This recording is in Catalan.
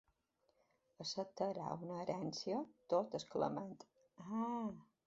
Acceptarà una herència tot exclamant: ah.